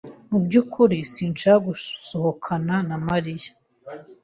Mu byukuri sinshaka gusohokana na Mariya.